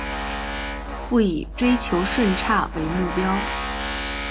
不以追求顺差为目标